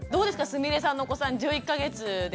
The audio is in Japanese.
すみれさんのお子さん１１か月ですけれども。